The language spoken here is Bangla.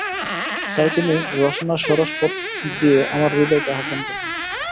তাই তিনি রসনার সরস পথ দিয়ে আমার হৃদয়কে আহ্বান করলেন।